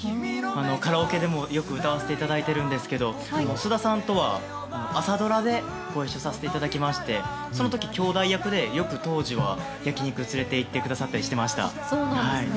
カラオケでもよく歌わせていただいているんですが菅田さんとは朝ドラでご一緒させていただきましてその時、兄弟役でよく当時は焼き肉に連れて行ってくださったりしてくれました。